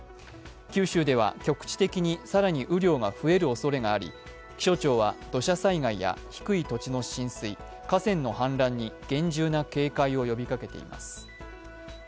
九州では、局地的に更に雨量が増えるおそれがあり、気象庁は土砂災害や低い土地の浸水河川の氾濫に厳重な警戒を呼びかけています。